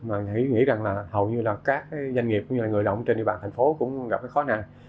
mà nghĩ rằng là hầu như là các doanh nghiệp người lao động trên địa bàn thành phố cũng gặp cái khó này